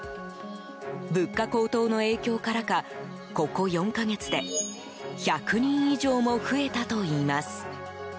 物価高騰の影響からかここ４か月で１００人以上も増えたといいます。